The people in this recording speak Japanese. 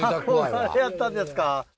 憧れやったんですか！